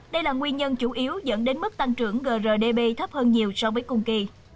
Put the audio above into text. đây là nguyên nhân chủ yếu dẫn đến mức tăng trưởng grdb thấp hơn nhiều so với cùng kỳ